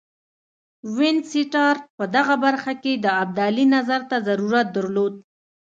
وینسیټارټ په دغه برخه کې د ابدالي نظر ته ضرورت درلود.